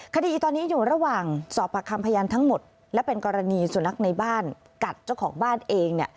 คดีตอนนี้อยู่ระหว่างสอบปากคำพยานทั้งหมดและเป็นกรณีสุนัขในบ้านกัดเจ้าของบ้านเองเนี่ย